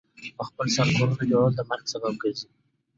پخپل سر کورونو جوړول د مرګ سبب ګرځي.